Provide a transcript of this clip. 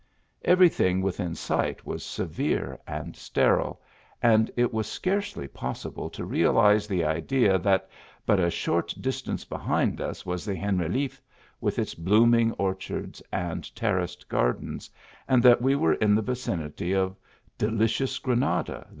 Every thing within sight was severe and sterile, and it was scarcely possible to realize the idea that rut a short distance behind us was the Generalise, with its blooming orchards and terraced gardens, and that we were in the vicinity of delicious G A RAMBLE AMONG THE HILLS.